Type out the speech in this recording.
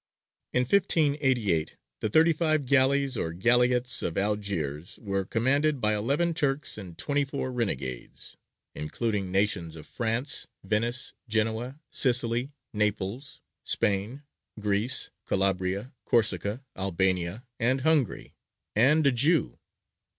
In 1588 the thirty five galleys or galleots of Algiers were commanded by eleven Turks and twenty four renegades, including nations of France, Venice, Genoa, Sicily, Naples, Spain, Greece, Calabria, Corsica, Albania, and Hungary, and a Jew.